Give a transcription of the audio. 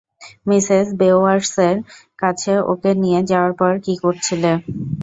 Mrs বেওয়্যার্সের কাছে ওকে নিয়ে যাওয়ার পর কী করছিলে?